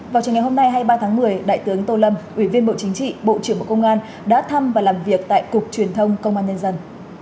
vào trường ngày hôm nay hai mươi ba tháng một mươi đại tướng tô lâm ủy viên bộ chính trị bộ trưởng bộ công an đã thăm và làm việc tại cục truyền thông công an nhân dân